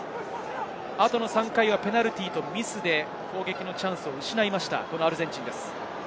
あとの３回はペナルティーとミスで攻撃のチャンスを失いました、アルゼンチンです。